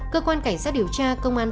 cơ quan cảnh sát điều tra công an